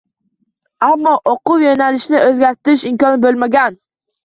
Ammo o’quv yo’nalishini o’zgartirish imkoni bo’lmagan.